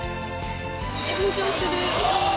緊張する。